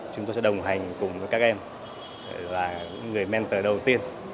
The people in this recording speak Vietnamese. chúng tôi sẽ đồng hành cùng với các em là những người mentor đầu tiên